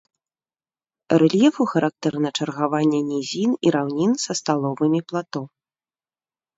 Рэльефу характэрна чаргаванне нізін і раўнін са сталовымі плато.